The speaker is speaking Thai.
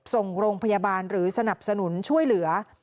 ส่งโรงพยาบาลหรือสนับสนุนช่วยเหลือ